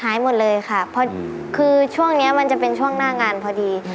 หายหมดเลยค่ะเพราะคือช่วงนี้มันจะเป็นช่วงหน้างานพอดี